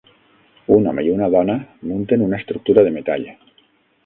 Un home i una dona munten una estructura de metall.